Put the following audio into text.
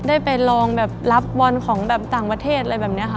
ได้ไปลองแบบรับบอลของแบบต่างประเทศอะไรแบบนี้ค่ะ